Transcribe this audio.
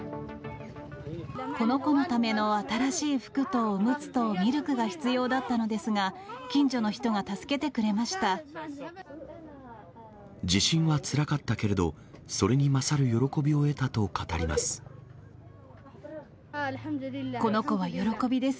この子のための新しい服とおむつとミルクが必要だったのです地震はつらかったけれど、この子は喜びです。